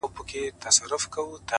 o راسه چي زړه مي په لاسو کي درکړم،